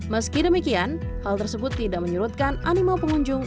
meski demikian hal tersebut tidak menyurutkan animo pengunjung